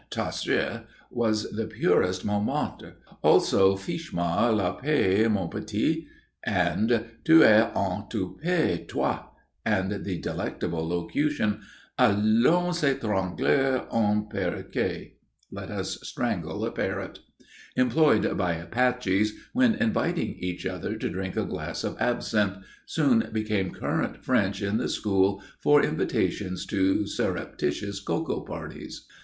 ta soeur_, was the purest Montmartre; also Fich' moi la paix, mon petit, and Tu as un toupet, toi; and the delectable locution, Allons étrangler un perroquet (let us strangle a parrot), employed by Apaches when inviting each other to drink a glass of absinthe, soon became current French in the school for invitations to surreptitious cocoa parties.